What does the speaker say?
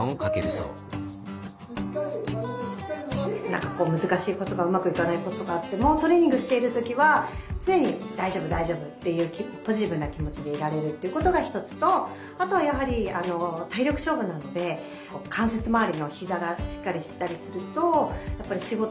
何かこう難しいことがうまくいかないこととかあってもトレーニングしている時は常に大丈夫大丈夫っていうポジティブな気持ちでいられるっていうことがひとつとあとはやはり体力勝負なのでこう関節周りの膝がしっかりしたりするとやっぱり仕事もすごく楽になりますね。